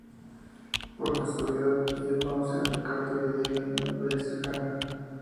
Por casualidad, ella conoce a Ricardo y a Diego en una playa cercana.